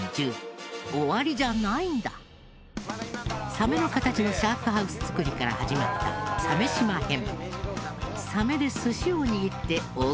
サメの形のシャークハウス造りから始まった「鮫島編」。